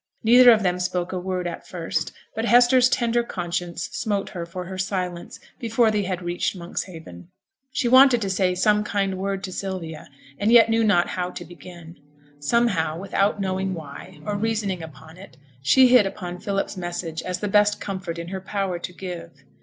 Neither of them spoke a word at first; but Hester's tender conscience smote her for her silence before they had reached Monkshaven. She wanted to say some kind word to Sylvia, and yet knew not how to begin. Somehow, without knowing why, or reasoning upon it, she hit upon Philip's message as the best comfort in her power to give.